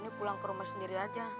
ini pulang ke rumah sendiri aja